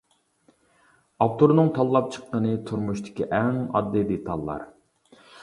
ئاپتورنىڭ تاللاپ چىققىنى تۇرمۇشتىكى ئەڭ ئاددىي دېتاللار.